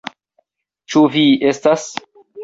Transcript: Ĉu vi estas?